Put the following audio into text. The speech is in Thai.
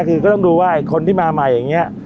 คือก็ต้องดูว่าคนที่มาใหม่อย่างนี้